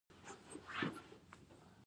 د فاریاب په کوهستان کې د مالګې کان شته.